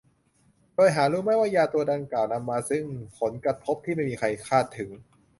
โดยหารู้ไม่ว่ายาตัวดังกล่าวนำมาซึ่งผลกระทบที่ไม่มีใครคาดถึง